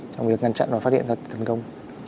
trong việc ngăn chặn và phát hiện ra tấn công